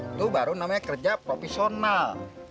itu baru namanya kerja profesional